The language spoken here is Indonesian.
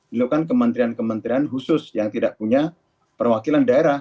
dilakukan kementerian kementerian khusus yang tidak punya perwakilan daerah